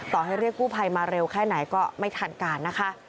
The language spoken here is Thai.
ให้เรียกกู้ภัยมาเร็วแค่ไหนก็ไม่ทันการนะคะ